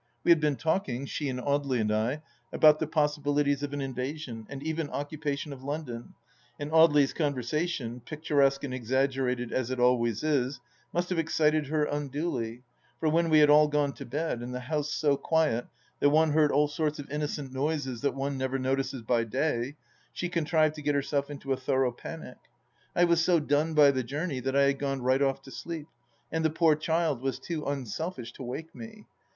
We had been talking, she and Audely and I, about the possibilities of an invasion, and even occupation of Lon don, and Audely's conversation, picturesque and exaggerated as it always is, must have excited her unduly, for when we had all gone to bed and the house so quiet that one heard all sorts of innocent noises that one never notices by day, she contrived to get herself into a thorough panic. I was so done by the journey that I had gone right off to sleep, and the poor child was too unselfish to wake me.